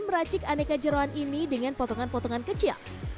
meracik aneka jerawan ini dengan potongan potongan kecil